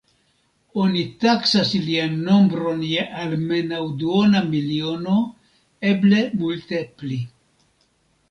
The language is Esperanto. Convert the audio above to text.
Oni taksas ilian nombron je almenaŭ duona miliono, eble multe pli.